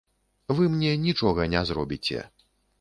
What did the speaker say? Вы мне нічога не зробіце.